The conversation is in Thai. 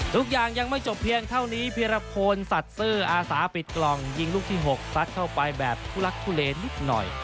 ทุกอย่างยังไม่จบเพียงเท่านี้พิรพลสัตว์ซื่ออาสาปิดกล่องยิงลูกที่๖ซัดเข้าไปแบบทุลักทุเลนิดหน่อย